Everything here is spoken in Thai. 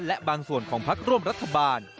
และบางส่วนของพักร่วมรัฐบาล